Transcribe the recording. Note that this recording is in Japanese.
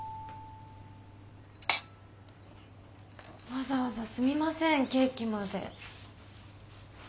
・わざわざすみませんケーキまで。